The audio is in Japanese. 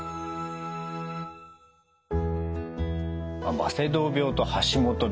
バセドウ病と橋本病。